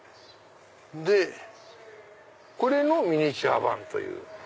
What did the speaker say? これのミニチュア版という。